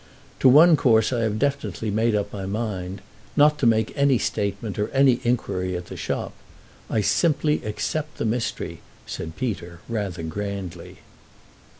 To one course I have definitely made up my mind: not to make any statement or any inquiry at the shop. I simply accept the mystery," said Peter, rather grandly.